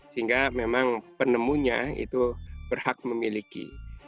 sehingga memang penemunya itu berhak memiliki